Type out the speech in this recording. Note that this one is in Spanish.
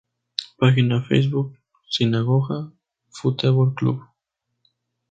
Página Facebook: "Sinagoga Futebol Clube"